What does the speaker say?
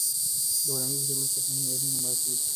د ودانیو په جوړولو کې تخنیکي معیارونه نه مراعت کېږي.